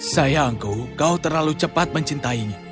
sayangku kau terlalu cepat mencintainya